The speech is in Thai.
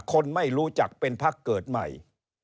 คนไม่รู้จักเป็นพักเกิดใหม่